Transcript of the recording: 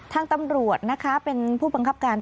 ทางตำรวจนะคะเป็นผู้บังคับการ